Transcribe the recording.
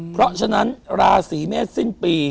เพราะฉะนั้นราศีเมษสิ้นปี